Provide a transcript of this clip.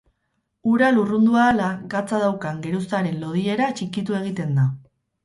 Ura lurrundu ahala, gatza daukan geruzaren lodiera txikitu egiten da.